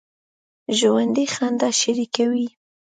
ژوندي خندا شریکه وي